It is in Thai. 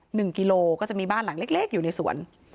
หนึ่งกิโลก็จะมีบ้านหลังเล็กอยู่ในสวน